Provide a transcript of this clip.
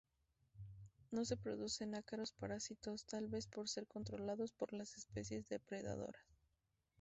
No se producen ácaros parásitos, tal vez por ser controlados por las especies depredadoras.